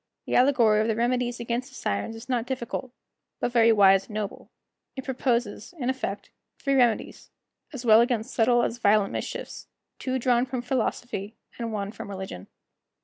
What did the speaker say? The allegory of the remedies against the Sirens is not difficult, but very wise and noble; it proposes, in effect, three remedies, as well against subtile as violent mischiefs, two drawn from philosophy and one from religion.